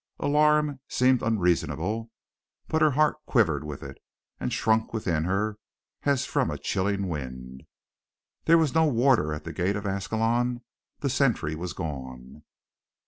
Alarm seemed unreasonable, but her heart quivered with it, and shrunk within her as from a chilling wind. There was no warder at the gate of Ascalon; the sentry was gone.